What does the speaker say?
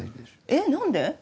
えっ何で？